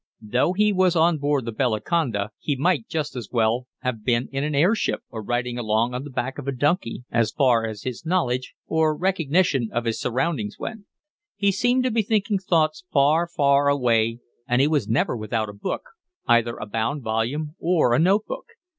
Though he was on board the Bellaconda, he might just as well have been in an airship, or riding along on the back of a donkey, as far as his knowledge, or recognition, of his surroundings went. He seemed to be thinking thoughts far, far away, and he was never without a book either a bound volume or a note book.